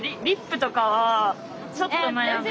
ちょっと悩む？